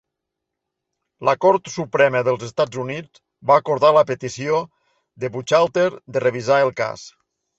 La Cort Suprema dels Estats Units va acordar la petició de Buchalter de revisar el cas.